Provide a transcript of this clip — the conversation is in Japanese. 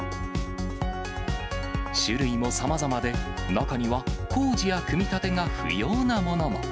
種類もさまざまで、中には工事や組み立てが不要なものも。